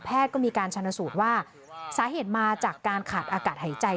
ก็มีการชนสูตรว่าสาเหตุมาจากการขาดอากาศหายใจ